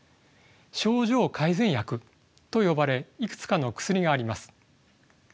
症状改善薬と呼ばれいくつかの薬があります。